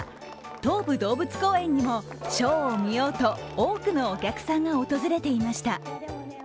東武動物公園にもショーを見ようと多くのお客さんが訪れていました。